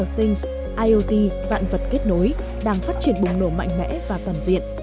things iot vạn vật kết nối đang phát triển bùng nổ mạnh mẽ và toàn diện